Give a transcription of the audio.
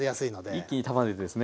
一気に束ねてですね。